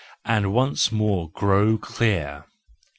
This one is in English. And once more Grow Clear?